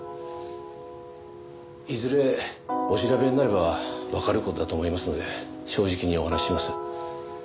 いずれお調べになればわかる事だと思いますので正直にお話しします。